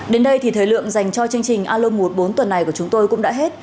đến đây thì thời lượng dành cho chương trình alo một mươi bốn tuần này của chúng tôi cũng đã hết